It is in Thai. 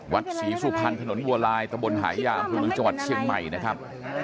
วัดศรีสุพรรณถนนวัวลายตะบนหายาอำเภอเมืองจังหวัดเชียงใหม่นะครับ